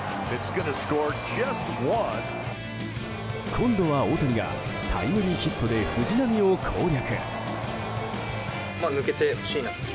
今度は大谷がタイムリーヒットで藤浪を攻略。